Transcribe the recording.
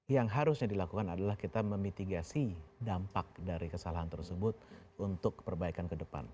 yang harusnya dilakukan adalah kita memitigasi dampak dari kesalahan tersebut untuk perbaikan ke depan